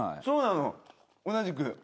そうなの同じく。